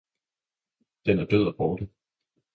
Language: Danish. den er død og borte.